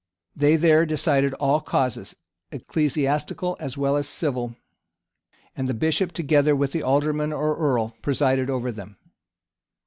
They there decided all causes, ecclesiastical as well as civil; and the bishop, together with the alderman or earl, presided over them.